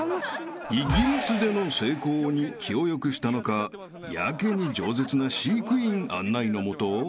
［イギリスでの成功に気を良くしたのかやけに冗舌な飼育員案内のもと］